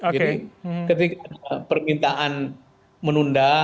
jadi ketika permintaan menunda